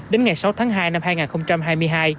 đến ngày sáu tháng hai năm hai nghìn hai mươi hai